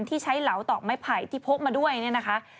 ที่ใช้เหลาตอกไม้ไผ่ที่พกมาด้วยเนี่ยนะคะ